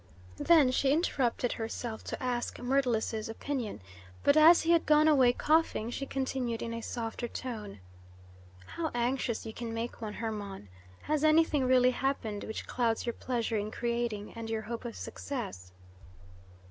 Then she interrupted herself to ask Myrtilus's opinion, but as he had gone away coughing, she continued, in a softer tone: "How anxious you can make one, Hermon! Has anything really happened which clouds your pleasure in creating, and your hope of success?"